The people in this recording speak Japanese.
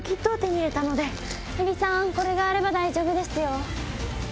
恵理さんこれがあれば大丈夫ですよ。